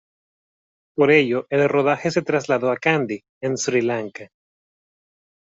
Por ello, el rodaje se trasladó a Kandy, en Sri Lanka.